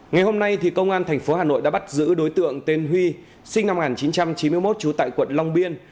ngày hôm nay công an tp hà nội đã bắt giữ đối tượng tên huy sinh năm một nghìn chín trăm chín mươi một trú tại quận long biên